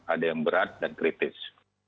ada yang berat dan kritis